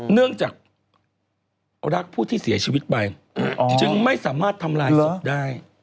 เนื่องจากรักผู้ที่เสียชีวิตไปจึงไม่สามารถทำลายศพได้